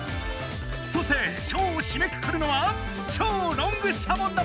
そしてショーをしめくくるのは超ロングシャボン玉！